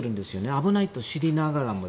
危ないと知りながらも。